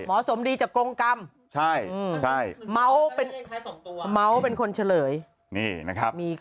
เออมสมดีจากกรงกรรมใช่มัวเป็นคนเฉลยเนี่ยนะครับ